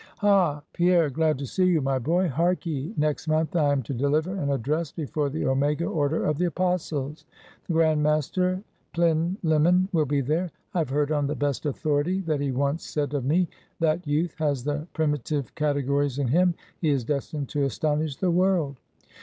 "Ha, Pierre! glad to see you, my boy! Hark ye, next month I am to deliver an address before the Omega order of the Apostles. The Grand Master, Plinlimmon, will be there. I have heard on the best authority that he once said of me 'That youth has the Primitive Categories in him; he is destined to astonish the world.'